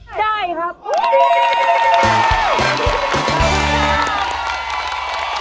ได้ได้ได้ได้ได้ได้